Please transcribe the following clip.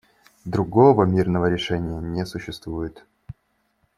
Другого мирного решения не существует.